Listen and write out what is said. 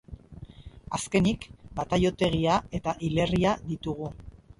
Azkenik, bataiotegia eta hilerria ditugu.